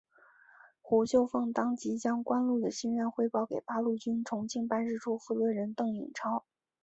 胡绣凤当即将关露的心愿汇报给八路军重庆办事处负责人邓颖超。